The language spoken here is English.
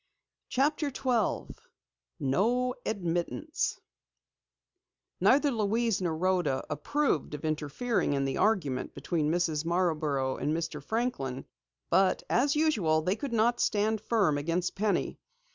CHAPTER 12 NO ADMITTANCE Neither Louise nor Rhoda approved of interfering in the argument between Mrs. Marborough and Mr. Franklin, but as usual they could not stand firm against Penny.